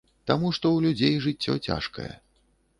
Таму што ў людзей жыццё цяжкае.